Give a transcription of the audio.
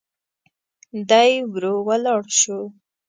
دی ورو ولاړ شو.